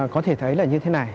có thể thấy là như thế này